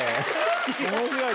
面白い！